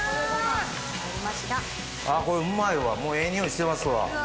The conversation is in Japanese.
あっこれうまいわもうええ匂いしてますわ。